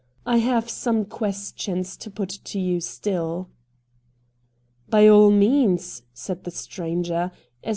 I have some questions to put to you still.' ' By all means,' said the stranger ;* as MR.